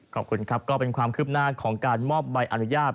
ขอบคุณครับก็เป็นความคืบหน้าของการมอบใบอนุญาต